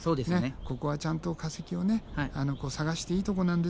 ここはちゃんと化石を探していいとこなんですよ